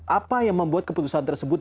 apa yang membuat keputusan tersebut